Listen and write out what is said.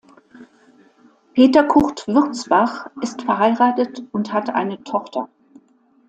Peter Kurt Würzbach ist verheiratet und hat eine Tochter.